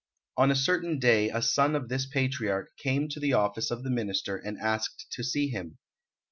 On a certain day a son of this patriarch came to the office of the Minister and asked to see him.